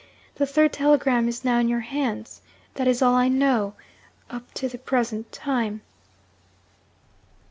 The third telegram is now in your hands. That is all I know, up to the present time.'